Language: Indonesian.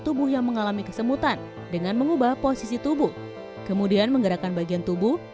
tubuh yang mengalami kesemutan dengan mengubah posisi tubuh kemudian menggerakkan bagian tubuh